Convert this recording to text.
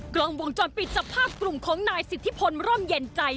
กล้องวงจรปิดจับภาพกลุ่มของนายสิทธิพลร่มเย็นใจ